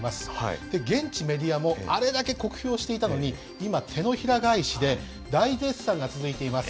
現地メディアもあれだけ酷評していたのに今手のひら返しで大絶賛が続いています。